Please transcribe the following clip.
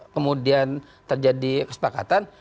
kemudian terjadi kesepakatan